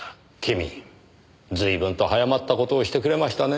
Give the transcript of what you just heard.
君随分と早まった事をしてくれましたね。